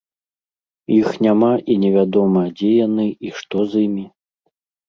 Іх няма і невядома, дзе яны і што з імі.